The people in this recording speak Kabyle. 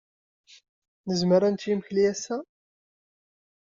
Nezmer ad nečč imekli ass-a?